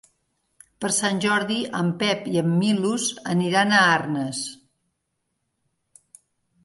Per Sant Jordi en Pep i en Milos aniran a Arnes.